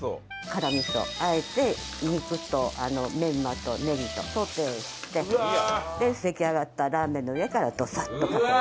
辛みそをあえて肉とメンマとねぎとソテーしてで出来上がったラーメンの上からドサッとかけて。